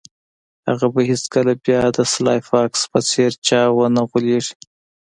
هغه به هیڅکله بیا د سلای فاکس په څیر چا ونه غولیږي